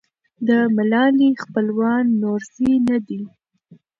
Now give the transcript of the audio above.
د ملالۍ خپلوان نورزي نه دي.